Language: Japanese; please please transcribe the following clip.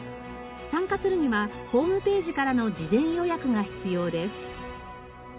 参加するにはホームページからの事前予約が必要です。